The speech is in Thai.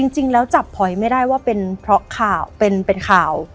จริงแล้วจับพลอยไม่ได้ว่าเป็นเพราะข่าวเป็นข่าว